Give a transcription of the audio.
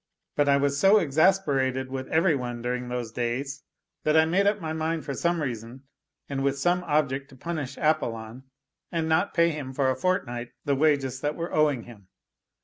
But I was so exasperated with every one during those days, that I made up my mind for some reason and with some object to punish Apollon and not to pay him for a fortnight the wages that were owing him.